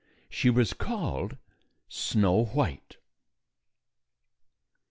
She was called Snow White.